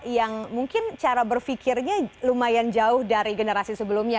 yang mungkin cara berpikirnya lumayan jauh dari generasi sebelumnya